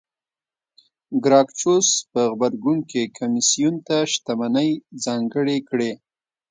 ګراکچوس په غبرګون کې کمېسیون ته شتمنۍ ځانګړې کړې